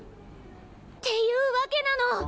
っていうわけなの！